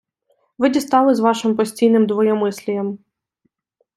Ви дістали з вашим постійнім двоємислієм.